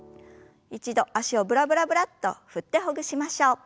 一度脚をブラブラブラッと振ってほぐしましょう。